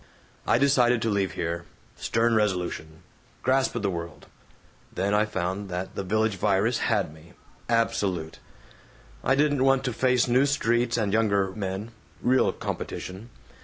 "I decided to leave here. Stern resolution. Grasp the world. Then I found that the Village Virus had me, absolute: I didn't want to face new streets and younger men real competition.